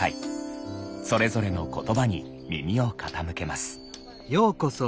それぞれの言葉に耳を傾けます。